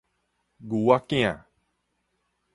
牛仔囝